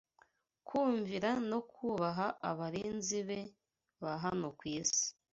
kumvira no kubaha abarinzi be ba hano ku isi